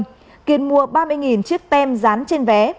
sau đó kiên mua ba mươi chiếc tem dán trên vé